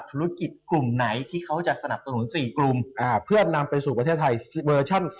ธุรกิจกลุ่มไหนที่เขาจะสนับสนุน๔กลุ่มเพื่อนำไปสู่ประเทศไทยเวอร์ชั่น